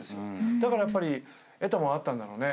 だからやっぱり得たものあったんだろうね。